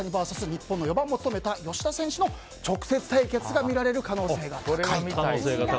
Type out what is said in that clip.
日本の４番も務めた吉田選手との直接対決が見られる可能性が高いと。